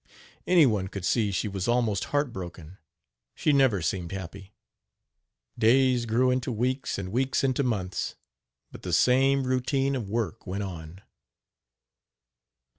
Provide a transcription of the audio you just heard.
Any one could see she was almost heart broken she never seemed happy. Days grew into weeks and weeks into months, but the same routine of work went on.